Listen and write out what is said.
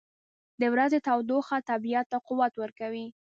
• د ورځې تودوخه طبیعت ته قوت ورکوي.